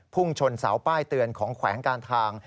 พุ่งชนเสาป้ายเตือนของแขวงการทาง